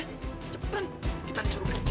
cepetan kita curug kerja